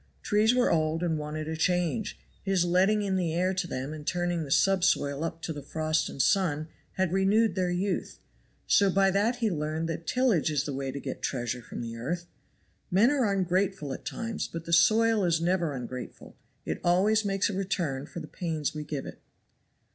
Trees were old and wanted a change. His letting in the air to them, and turning the subsoil up to the frost and sun, had renewed their youth. So by that he learned that tillage is the way to get treasure from the earth. Men are ungrateful at times, but the soil is never ungrateful, it always makes a return for the pains we give it."